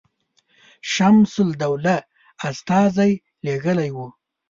شمس الدوله استازی لېږلی وو.